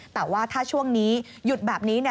แต่ว่าถ้าช่วงนี้หยุดแบบนี้เนี่ย